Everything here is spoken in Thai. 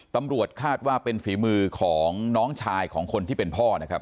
ตำรวจคาดว่าเป็นฝีมือของน้องชายของคนที่เป็นพ่อนะครับ